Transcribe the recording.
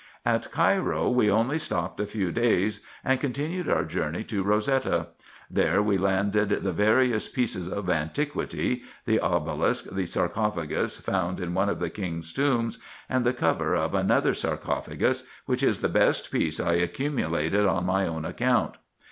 At Cairo we only stopped a few days, and continued our voyage to Rosetta : there we landed the various pieces of antiquity, the obelisk, the sarcophagus found in one of the king's tombs, and the cover of another sarcophagus, which is the best piece 374 RESEARCHES AND OPERATIONS I accumulated on my own account.